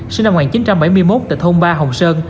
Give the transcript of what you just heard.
sinh năm một nghìn chín trăm bảy mươi một tại thôn ba hồng sơn